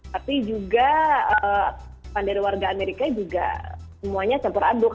tapi juga pandai warga amerika juga semuanya sentra aduk